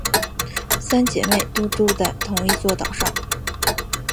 三姊妹都住在同一座岛上。